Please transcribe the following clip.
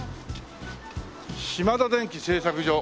「島田電機製作所」